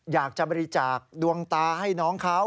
อยากจะบริจาคดวงตาให้น้องเขา